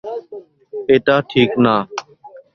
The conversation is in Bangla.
এটা ঠিক না!